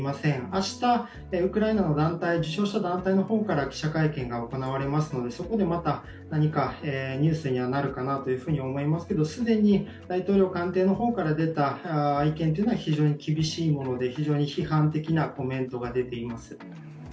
明日、ウクライナの受賞した団体の方から記者会見が行われますのでそこでまた何かニュースにはなるかなとは思いますけれども、既に大統領官邸の方から出た意見というのは非常に厳しいもので批判的なコメントが出ています。